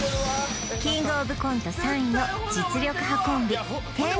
キングオブコント３位の実力派コンビ天竺